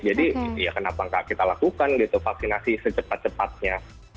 jadi ya kenapa kita lakukan gitu vaksinasi secepat cepatnya